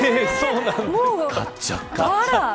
買っちゃった。